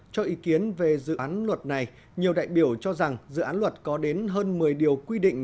cho ý kiến về dự án luật này nhiều đại biểu cho rằng dự án luật có đến hơn một mươi điều quy định